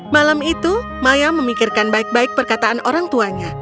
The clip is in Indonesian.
malam itu maya memikirkan baik baik perkataan orang tuanya